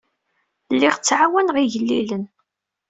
Lliɣ ttɛawaneɣ igellilen.